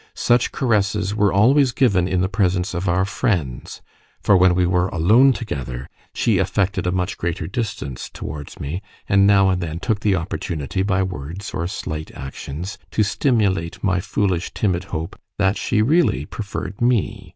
Such caresses were always given in the presence of our friends; for when we were alone together, she affected a much greater distance towards me, and now and then took the opportunity, by words or slight actions, to stimulate my foolish timid hope that she really preferred me.